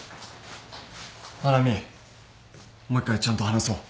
愛菜美もう一回ちゃんと話そう。